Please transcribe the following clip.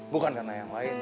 bukan karena yang lain